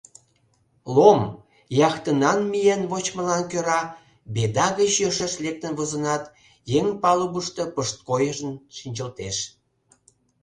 Лом, яхтынан миен вочмылан кӧра «Беда» гыч йӧршеш лектын возынат, еҥ палубышто пышткойшын шинчылтеш.